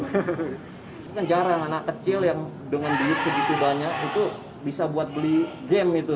jadi sekarang terkenal ini jarang anak kecil yang dengan begitu banyak itu bisa buat beli game itu